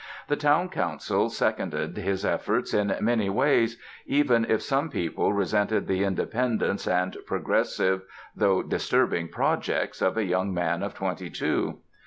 The town council seconded his efforts in many ways even if some people resented the independence and progressive though disturbing projects of a young man of twenty two.